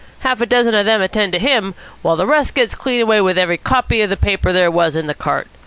Half a dozen of them attend to him, while the rest gets clean away with every copy of the paper there was in the cart.